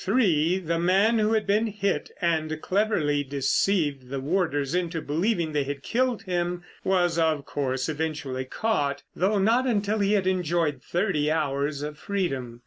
303, the man who had been hit and cleverly deceived the warders into believing they had killed him, was, of course, eventually caught, though not until he had enjoyed thirty hours of freedom.